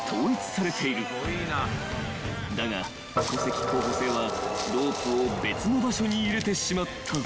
［だが小関候補生はロープを別の場所に入れてしまった］